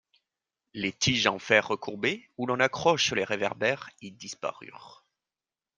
Les tiges en fer recourbé où l'on accroche les réverbères y disparurent.